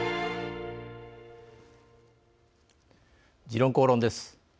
「時論公論」です。